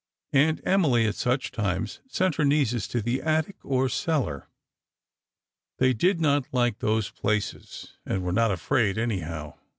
Aunt Emily at such times sent her nieces to the attic, or cellar. They did not like those places, and were not afraid, anyhow.